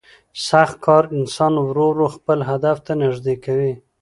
سخت کار انسان ورو ورو خپل هدف ته نږدې کوي